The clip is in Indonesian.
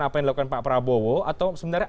apa yang dilakukan pak prabowo atau sebenarnya